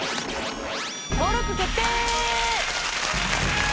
登録決定！